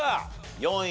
４位！